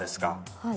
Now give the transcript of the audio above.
はい。